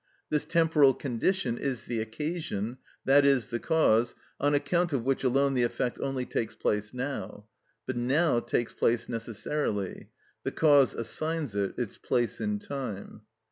This temporal condition is the occasion, i.e., the cause, on account of which alone the effect only takes place now, but now takes place necessarily; the cause assigns it its place in time.